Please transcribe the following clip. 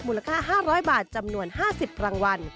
มูลค่า๕๐๐บาทจำนวน๕๐รางวัล